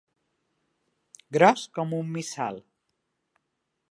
Gros com un missal.